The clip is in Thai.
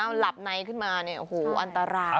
เอาหลับในขึ้นมาเนี่ยโอ้โหอันตราย